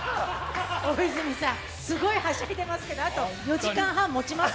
大泉さん、すごいはしゃいでますけど、あと４時間半もちます？